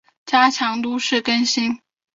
加强都市更新